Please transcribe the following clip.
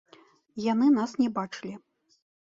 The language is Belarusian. Яны нас не бачылі.